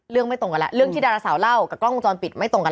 ไม่ตรงกันแล้วเรื่องที่ดาราสาวเล่ากับกล้องวงจรปิดไม่ตรงกัน